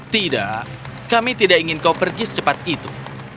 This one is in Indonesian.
tidak kami tidak ingin kau pergi secepat itu